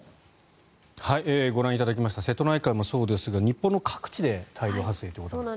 ご覧いただきました瀬戸内海もそうですが日本の各地で大量発生ということなんですね。